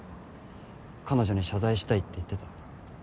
彼女に謝罪したいって言ってた。